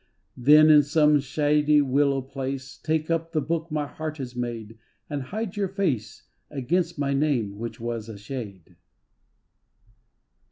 Then in some shady willow place Take up the book my heart has made, And hide your face Against my name which was a shade.